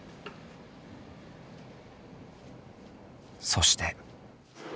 そして。